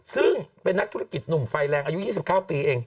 ซึ่งเป็นนักธุรกิจหนุ่มไฟแรงอายุ๒๙ปีเอง